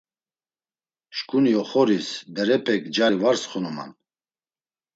Şǩuni oxoris berepek cari var tsxunuman.